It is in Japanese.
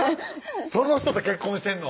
その人と結婚してんの？